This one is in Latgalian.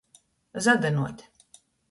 Zadynuot.